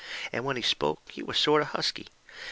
And when he spoke he was sort of husky.